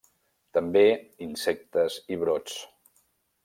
També insectes i brots.